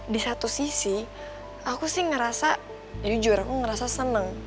di satu sisi aku sih ngerasa jujur aku ngerasa seneng